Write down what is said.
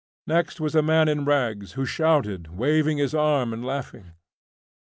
Next stood a man in rags, who shouted, waving his arm and laughing.